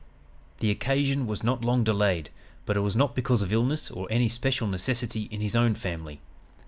"The occasion was not long delayed but it was not because of illness or any special necessity in his own family.